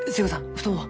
布団を。